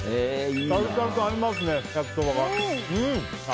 タルタルと合いますね焼きそばが。